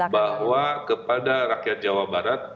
bahwa kepada rakyat jawa barat